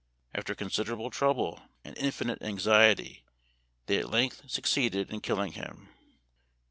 After considerable trouble and infinite anxiety they at length succeeded in killing him.